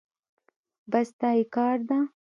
بس دا يې کار ده.